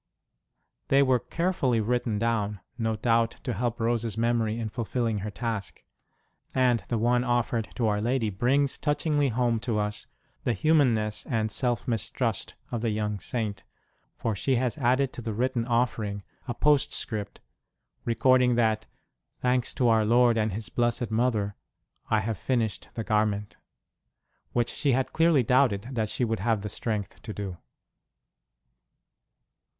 They were carefully written down, no doubt to help Rose s memory in fulfilling her task; and the one offered to Our Lady brings touchingly home to us the humanness and self mistrust of the young Saint, for she has added to the written offering a post script, recording that thanks to Our Lord and His blessed Mother, I have finished the garment which she had clearly doubted that she would have the strength to do.